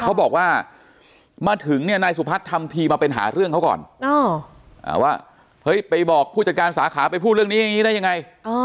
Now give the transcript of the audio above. เขาบอกว่ามาถึงเนี่ยนายสุพัฒน์ทำทีมาเป็นหาเรื่องเขาก่อนว่าเฮ้ยไปบอกผู้จัดการสาขาไปพูดเรื่องนี้อย่างนี้ได้ยังไง